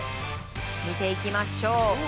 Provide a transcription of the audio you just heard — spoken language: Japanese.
見ていきましょう。